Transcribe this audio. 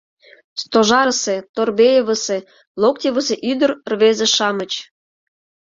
— Стожарысе, Торбеевысе, Локтевысе ӱдыр, рвезе-шамыч!